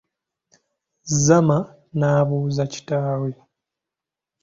Zama n'abuuza kitaawe.